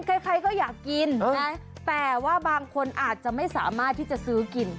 ใครก็อยากกินนะแต่ว่าบางคนอาจจะไม่สามารถที่จะซื้อกิน